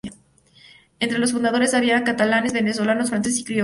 Entre los fundadores había catalanes, venezolanos, franceses y criollos.